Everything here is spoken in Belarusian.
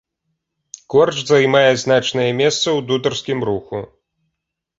Корч займае значнае месца ў дударскім руху.